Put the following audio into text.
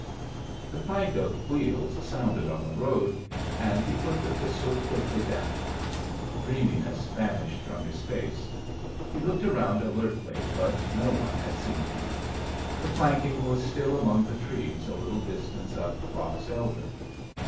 The clank of wheels sounded on the road, and he put the pistol quickly down. Dreaminess vanished from his face. He looked around alertly, but no one had seen him. The clanking was still among the trees a little distance up Box Elder.